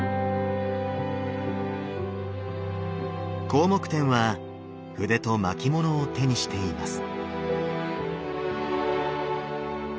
広目天は筆と巻物を手にしています。